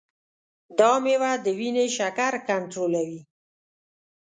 دا میوه د وینې شکر کنټرولوي.